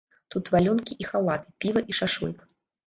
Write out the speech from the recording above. Тут валёнкі і халаты, піва і шашлык.